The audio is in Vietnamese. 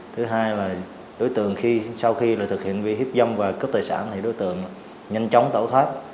thứ hai là đối tượng khi sau khi thực hiện vi hiếp dâm và cướp tài sản thì đối tượng nhanh chóng tẩu thoát